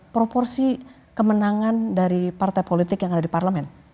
proporsi kemenangan dari partai politik yang ada di parlemen